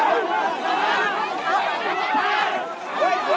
รถพยาบาลมารับคนป่วยนะคะ